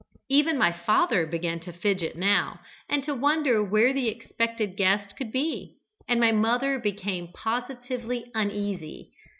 Even my father began to fidget now, and to wonder where the expected guest could be, and my mother became positively uneasy.